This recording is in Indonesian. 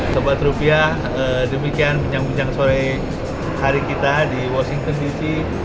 sobat rupiah demikian puncang puncang sore hari kita di washington dc